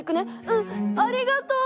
うんありがとう！